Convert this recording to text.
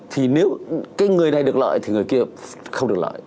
thì nếu cái người này được lợi thì người kia không được lợi